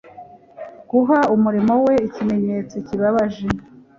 guha umurimo we ikimenyetso kibabaje